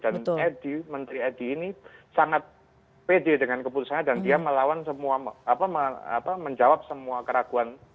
dan edy menteri edy ini sangat pede dengan keputusannya dan dia melawan semua apa apa menjawab semua keraguan